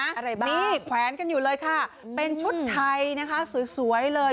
นี่แขวนกันอยู่เลยค่ะเป็นชุดไทยนะคะสวยเลย